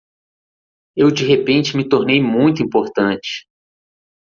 Eu de repente me tornei muito importante.